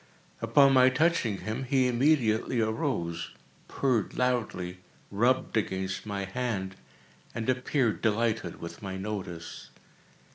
Upon my touching him, he immediately arose, purred loudly, rubbed against my hand, and appeared delighted with my notice.